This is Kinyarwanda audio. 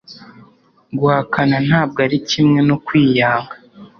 Guhakana ntabwo ari kimwe no kwiyanga.